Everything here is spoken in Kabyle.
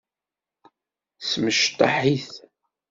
Smecṭeḥ-it.